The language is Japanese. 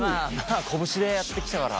拳でやってきたから。